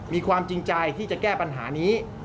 มีความจริงใจที่จะแก้ปัญหานี้